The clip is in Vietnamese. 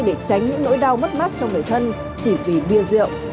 để tránh những nỗi đau mất mát trong nơi thân chỉ vì bia rượu